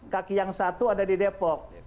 kaki yang satu ada di depok